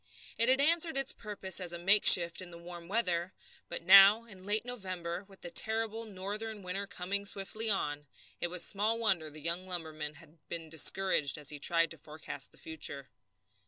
It had answered its purpose as a makeshift in the warm weather, but now, in late November, and with the terrible northern winter coming swiftly on, it was small wonder the young lumberman had been discouraged as he tried to forecast the future.